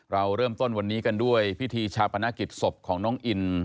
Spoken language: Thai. เราเริ่มต้นวันนี้กันด้วยพิธีชาปนกิจศพของน้องอิน